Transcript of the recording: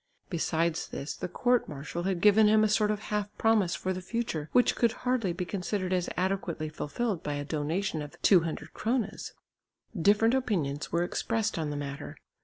Besides this the court marshal had given him a sort of half promise for the future which could hardly be considered as adequately fulfilled by a donation of 200 kronas. Different opinions were expressed on the matter.